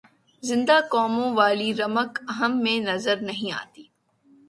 زندہ قوموں والی رمق ہم میں نظر نہیں آتی۔